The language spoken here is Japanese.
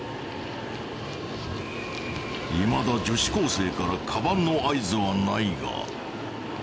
いまだ女子高生からカバンの合図はないが。